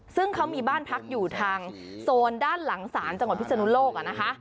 ซึ่งเขามีบ้านพักอยู่ทางโซนด้านหลังศาลจังหวัดพิศนุโลกนะคะ